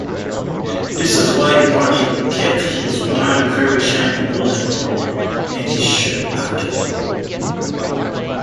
This is why Barney kept his one very shiny bullet in his shirt pocket.